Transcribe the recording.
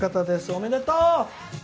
おめでとう！